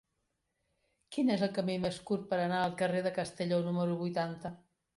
Quin és el camí més curt per anar al carrer de Castelló número vuitanta?